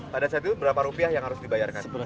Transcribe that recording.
pada saat itu berapa rupiah yang harus dibayarkan